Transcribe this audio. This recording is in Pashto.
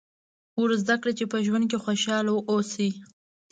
ور زده کړئ چې په ژوند کې خوشاله واوسي.